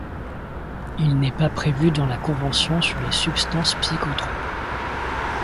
Il n'est pas prévu dans la convention sur les substances psychotropes.